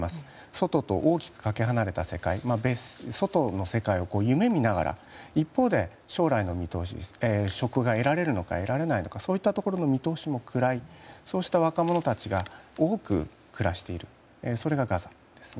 外と大きくかけ離れた世界外の世界を夢見ながら一方で、将来の見通し職が得られるのか得られないのかそういったところの見通しも暗いそうした若者たちが多く暮らしているそれがガザなんです。